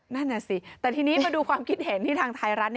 นั่นน่ะสิแต่ทีนี้มาดูความคิดเห็นที่ทางไทยรัฐ